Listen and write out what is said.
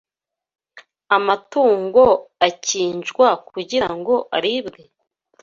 amatungo akinjwa kugira ngo aribwe?